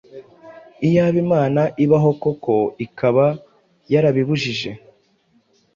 Iyaba Imana ibaho koko, ikaba yarabibujije